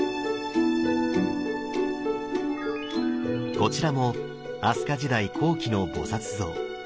こちらも飛鳥時代後期の菩像。